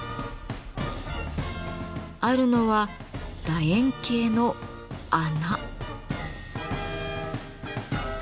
あるのは楕円形の穴。